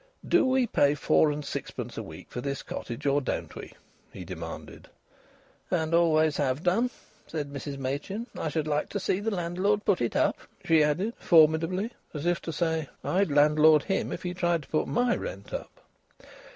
"Do we pay four and sixpence a week for this cottage, or don't we?" he demanded. "And always have done," said Mrs Machin. "I should like to see the landlord put it up," she added, formidably, as if to say: "I'd landlord him, if he tried to put my rent up!"